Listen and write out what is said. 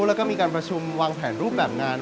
แล้วก็มีการประชุมวางแผนรูปแบบงาน